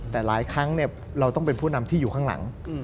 แต่หลายครั้งเราต้องเป็นผู้นำที่อยู่ข้างหลัง